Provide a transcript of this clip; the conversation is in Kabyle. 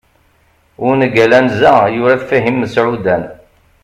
ungal anza, yura-t Fahim Meɛudan